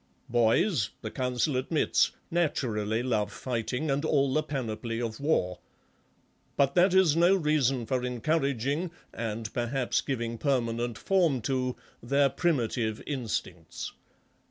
Boys, the Council admits, naturally love fighting and all the panoply of war ... but that is no reason for encouraging, and perhaps giving permanent form to, their primitive instincts.